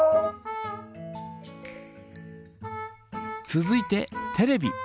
続いてテレビ。